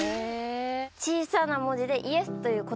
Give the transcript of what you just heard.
小さな文字で「ＹＥＳ」という言葉が。